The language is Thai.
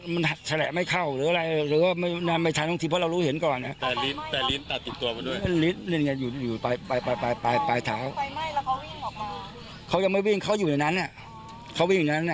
มันแฉละไม่เข้าหรืออะไรหรือว่าไม่ทันบางทีเพราะเรารู้เห็นก่อน